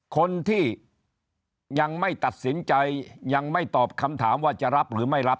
คนที่ยังไม่ตัดสินใจยังไม่ตอบคำถามว่าจะรับหรือไม่รับ